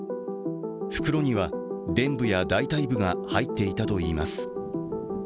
袋にはでん部や大たい部が入っていたといいます。